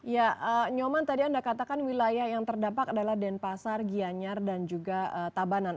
ya nyoman tadi anda katakan wilayah yang terdampak adalah denpasar gianyar dan juga tabanan